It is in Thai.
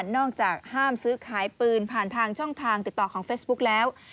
ห้ามซื้อขายปืนผ่านทางช่องทางติดต่อของเฟซบุ๊กแล้ว